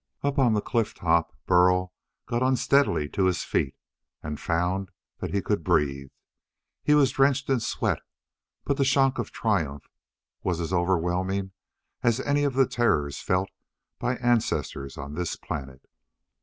Up on the cliff top Burl got unsteadily to his feet and found that he could breathe. He was drenched in sweat, but the shock of triumph was as overwhelming as any of the terrors felt by ancestors on this planet.